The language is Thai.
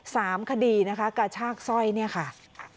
สามคดีนะคะกระชากสร้อยเนี่ยค่ะ